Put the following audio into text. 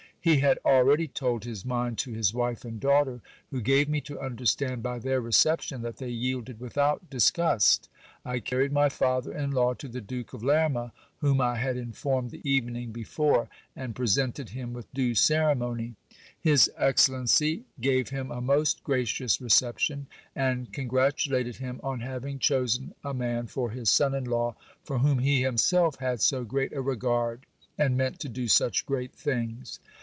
He had already told his mind to his wife and daughter, who gave me to understand by their reception, that they yielded without disgust. I carried my father in law to the Duke of Lerma, whom I had informed the evening before, and presented him with due ceremony. His excellency gave him a most gracious reception, and congratulated him on having chosen a man for his son in law, for whom he himself had so great a regard, and meant to do such great things.